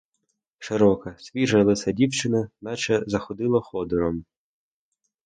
Широке, свіже лице дівчини наче заходило ходором.